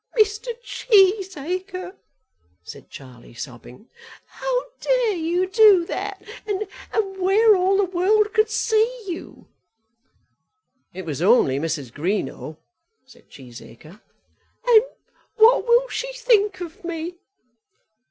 "Mr. Cheesacre," said Charlie sobbing, "how dare you do that? and where all the world could see you?" "It was only Mrs. Greenow," said Cheesacre. "And what will she think of me?"